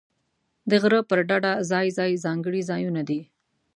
د غره پر ډډه ځای ځای ځانګړي ځایونه دي.